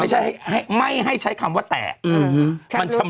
โทษทีน้องโทษทีน้อง